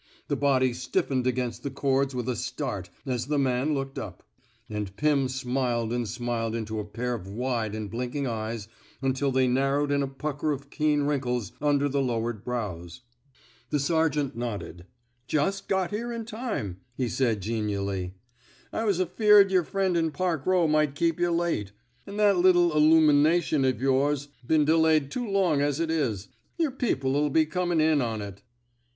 The body stiffened against the cords with a start as the man looked up. And Pim smiled and smiled into a pair of wide and blinking eyes until 79 THE SMOKE EATEES they narrowed in a pucker of keen wrinkles under the lowered brows. The sergeant nodded. Jus' got here in time,'' he said, genially. '* I was afeard yer friend in Park Eow might keep yuh late. And that little illumination of yours 's been delayed too long as it is. Yer people '11 be comin' in on it."